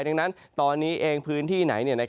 ดังนั้นตอนนี้เองพื้นที่ไหน